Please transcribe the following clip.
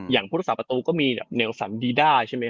อย่างพุทธศาสตร์ประตูก็มีแบบเนียลสัมดีดาใช่มั้ย